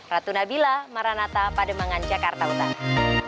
ratu nabila maranata pademangan jakarta utara